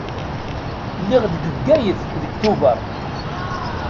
Lliɣ deg Bgayet deg Tubeṛ.